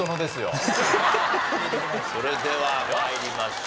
それでは参りましょう。